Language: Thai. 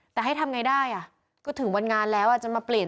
แต่ให้ทำไงได้ก็ถึงวันงานแล้วจะมาเปลี่ยน